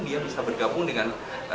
dia bisa bergabung dengan